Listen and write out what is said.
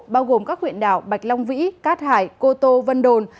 bao gồm các huyện đảo bạch long vĩ cát hải cô tô vân đồn